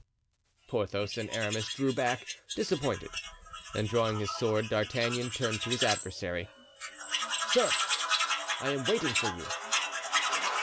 Porthos and Aramis drew back, disappointed, and drawing his sword D'Artagnan turned to his adversary: "Sir, I am waiting for you."